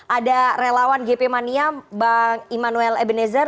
ada relawan gp maniam bang emmanuel ebenezer